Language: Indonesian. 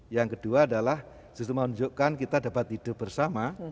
yang kedua adalah justru menunjukkan kita dapat hidup bersama